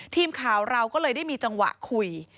ทีมข่าวเราก็เลยได้มีจังหวะคุย